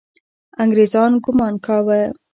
انګریزان ګمان کاوه.